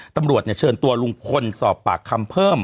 ตำรวจเชิญตัวลุงพลสอบปากคำเพิ่ม